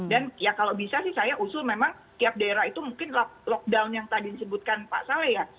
dan ya kalau bisa sih saya usul memang tiap daerah itu mungkin lockdown yang tadi disebutkan pak saleh ya